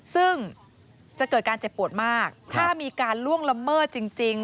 ซึ่งจะเกิดการเจ็บปวดมากถ้ามีการล่วงละเมิดจริง